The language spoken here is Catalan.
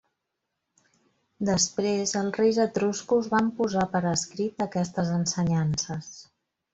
Després, els reis etruscos van posar per escrit aquestes ensenyances.